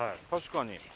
確かに。